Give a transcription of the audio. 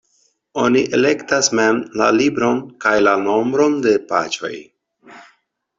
Oni elektas mem la libron kaj la nombron de paĝoj.